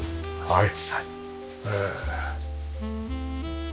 はい。